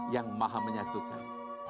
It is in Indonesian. yang maha menyatukan